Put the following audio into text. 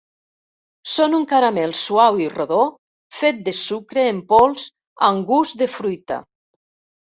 Són un caramel suau i rodó fet de sucre en pols amb gust de fruita.